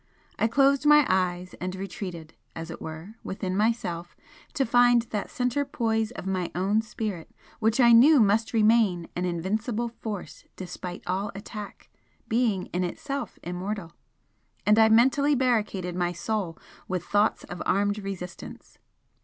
I closed my eyes and retreated, as it were, within myself to find that centre poise of my own spirit which I knew must remain an invincible force despite all attack, being in itself immortal, and I mentally barricaded my soul with thoughts of armed resistance.